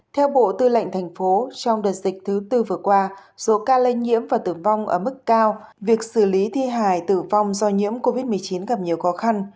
theo bộ tư lệnh thành phố trong đợt dịch thứ tư vừa qua số ca lây nhiễm và tử vong ở mức cao việc xử lý thi hài tử vong do nhiễm covid một mươi chín gặp nhiều khó khăn